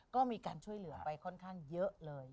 ก็มีการช่วยเหลือไปค่อนข้างเยอะเลย